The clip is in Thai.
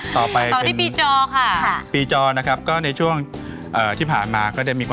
ตอนนี้มาแล้วในสัปดาห์นี้